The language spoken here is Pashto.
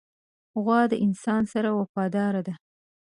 غوا د انسان سره وفاداره ده.